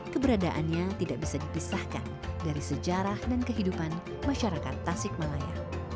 keberadaannya tidak bisa dipisahkan dari sejarah dan kehidupan masyarakat tasik malaya